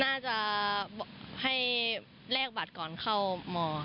น่าจะให้แรกบัตรก่อนเข้าหมอใช่ไหม